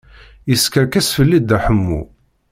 Yeskerkes fell-i Dda Ḥemmu.